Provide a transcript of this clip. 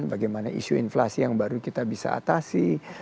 bagaimana isu inflasi yang baru kita bisa atasi